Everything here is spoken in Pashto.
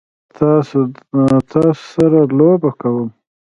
تاسو سره لوبه کوم؟